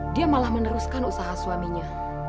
dia malah meneruskan usaha suaminya